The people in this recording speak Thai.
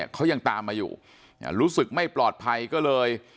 เขายังตามมาอยู่รู้สึกไม่ปลอดภัยก็เลย